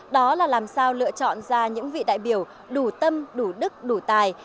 đó là làm sao lựa chọn ra những vị đại biểu đủ tâm đủ đức đủ tài